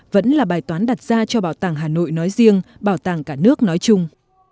vẫn là bài toán đặt ra cho bảo tàng hà nội nói riêng bảo tàng cả nước nói chung